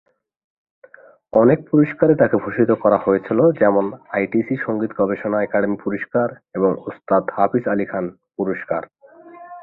অনেক পুরস্কারে তাকে ভূষিত করা হয়েছিল যেমন আইটিসি সংগীত গবেষণা একাডেমি পুরস্কার এবং ওস্তাদ হাফিজ আলী খান পুরস্কার।